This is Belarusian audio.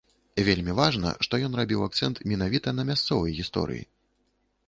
Вельмі важна, што ён рабіў акцэнт менавіта на мясцовай гісторыі.